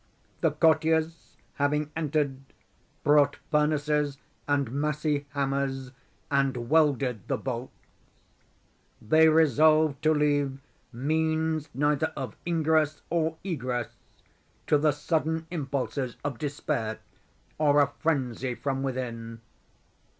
The courtiers, having entered, brought furnaces and massy hammers and welded the bolts. They resolved to leave means neither of ingress or egress to the sudden impulses of despair or of frenzy from within.